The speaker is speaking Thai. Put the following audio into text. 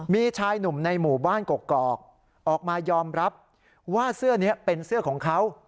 มีชายหนุ่มในหมู่บ้านกกอกออกมายอมรับว่าเสื้อนี้เป็นเสื้อของเขา